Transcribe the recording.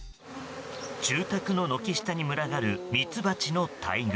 住宅の軒下に群がるミツバチの大群。